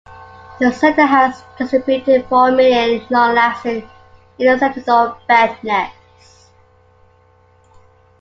The Center has distributed four million long-lasting insecticidal bed nets.